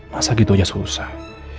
masa gitu aja susah